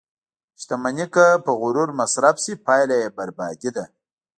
• شتمني که په غرور مصرف شي، پایله یې بربادي ده.